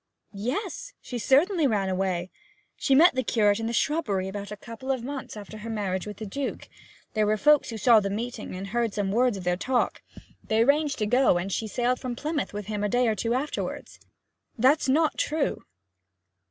'Yes, she certainly ran away. She met the curate in the shrubbery about a couple of months after her marriage with the Duke. There were folks who saw the meeting and heard some words of their talk. They arranged to go, and she sailed from Plymouth with him a day or two afterward.' 'That's not true.'